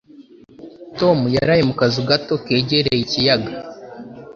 Tom yaraye mu kazu gato kegereye ikiyaga